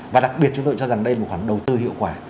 và đặc biệt chúng tôi cho rằng đây là một khoản đầu tư hiệu quả